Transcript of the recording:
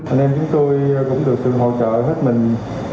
anh em chúng tôi cũng được hỗ trợ hết mình